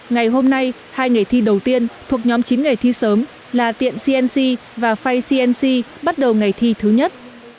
ngày hôm nay hai nghề thi đầu tiên thuộc nhóm chín nghề thi sớm là tiện cnc và fay cnc bắt đầu ngày thi thứ nhất